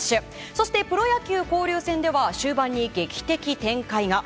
そして、プロ野球交流戦では終盤に劇的展開が。